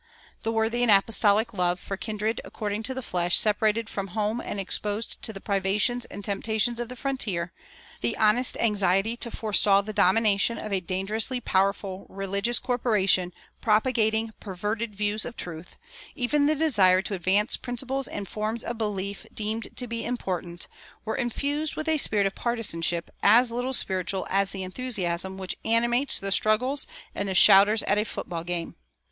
The worthy and apostolic love for kindred according to the flesh separated from home and exposed to the privations and temptations of the frontier, the honest anxiety to forestall the domination of a dangerously powerful religious corporation propagating perverted views of truth, even the desire to advance principles and forms of belief deemed to be important, were infused with a spirit of partisanship as little spiritual as the enthusiasm which animates the struggles and the shouters at a foot ball game.